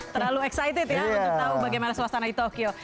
terlalu excited ya untuk tahu bagaimana suasana di tokyo